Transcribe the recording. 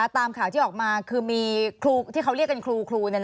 ตามข่าวที่ออกมาคือมีครูที่เขาเรียกกันครู